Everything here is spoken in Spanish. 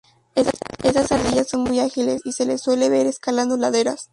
Estas ardillas son muy ágiles, y se les suele ver escalando laderas.